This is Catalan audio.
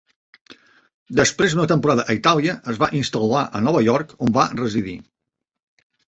Després d’una temporada a Itàlia, es va instal·lar a Nova York on va residir.